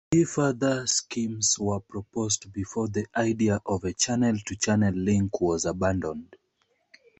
Three further schemes were proposed before the idea of a Channel-to-Channel link was abandoned.